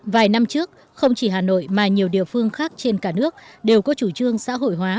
vài năm trước không chỉ hà nội mà nhiều địa phương khác trên cả nước đều có chủ trương xã hội hóa